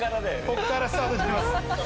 こっからスタートしていきます。